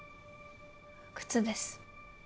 靴です。